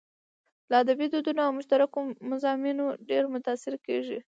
له ادبي دودونو او مشترکو مضامينو ډېر متاثره کېږو.